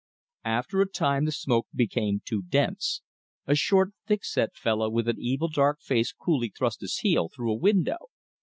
After a time the smoke became too dense. A short, thick set fellow with an evil dark face coolly thrust his heel through a window.